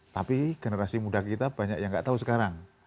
tapi generasi muda kita banyak yang gak tau sekarang